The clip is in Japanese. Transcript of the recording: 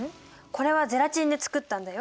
これはゼラチンで作ったんだよ。